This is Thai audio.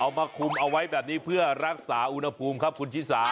มาคุมเอาไว้แบบนี้เพื่อรักษาอุณหภูมิครับคุณชิสา